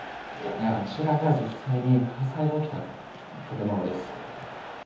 あちらが実際に火災が起きた建物です。